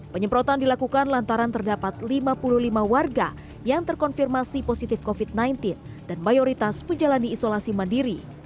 penyemprotan dilakukan lantaran terdapat lima puluh lima warga yang terkonfirmasi positif covid sembilan belas dan mayoritas menjalani isolasi mandiri